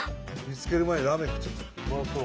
見つける前にラーメン食っちゃった。